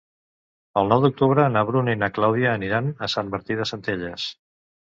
El nou d'octubre na Bruna i na Clàudia aniran a Sant Martí de Centelles.